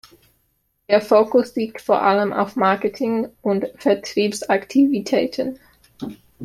Der Fokus liegt vor allem auf Marketing- und Vertriebsaktivitäten.